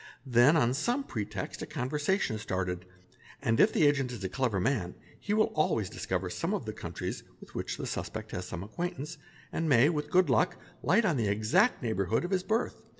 Then, on some pretext, a con _ versation is started, and if the agent is a clever man he will always discover some of the countries with which the suspect has some acquain tance, and may, with good luck, light on the exact neighbourhood PFU URN of his birth.